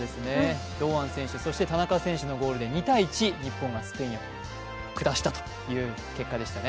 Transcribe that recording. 堂安選手そして田中選手のゴールで２−１日本がスペインを下したという結果でしたね。